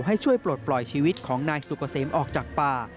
ให้ช่วยปลดปล่อยชีวิตของนายสุกเกษมออกจากป่า